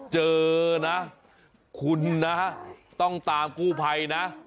เจอนะคุณนะต้องตามกู้ภัยนะ